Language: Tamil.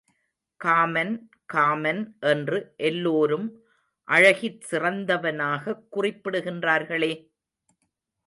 காமன் காமன் என்று எல்லோரும் அழகிற் சிறந்தவனாகக் குறிப்பிடுகின்றார்களே?